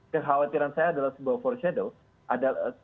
kekhawatiran saya adalah sebuah foreshadow